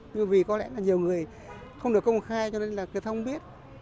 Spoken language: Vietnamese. nhưng vì có lẽ là nhiều người không được công khai cho nên là người ta không biết